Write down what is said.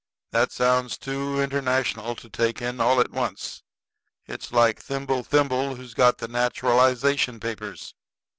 "That sounds too international to take in all at once. It's like 'thimble, thimble, who's got the naturalization papers?'"